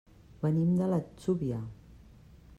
Venim de l'Atzúvia.